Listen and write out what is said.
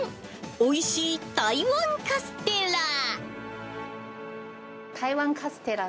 おいしい台湾カステラ。